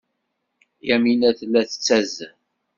Yamina tella tettazzal.